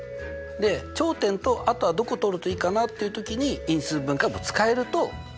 で頂点とあとはどこ通るといいかなっていう時に因数分解も使えるとすごくいいわけですよ。